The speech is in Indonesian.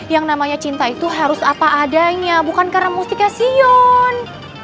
yang namanya cinta itu harus apa adanya bukan karena musiknya sion